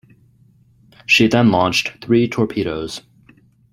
She then launched three torpedoes.